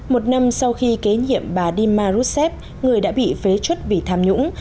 một năm sau khi kế nhiệm bà dima rousseff người đã bị phế chốt vì tham nhũng